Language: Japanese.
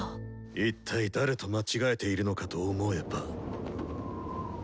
一体誰と間違えているのかと思えば！